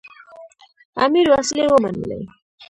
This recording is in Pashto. امیر وسلې ومنلې.